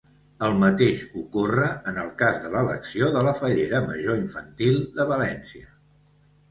El mateix ocorre en el cas de l'elecció de la Fallera Major Infantil de València.